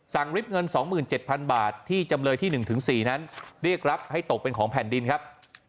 ริบเงิน๒๗๐๐บาทที่จำเลยที่๑๔นั้นเรียกรับให้ตกเป็นของแผ่นดินครับ